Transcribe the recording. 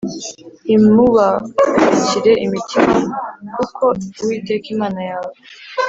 ntimubakukire imitima kuko Uwiteka Imana yawe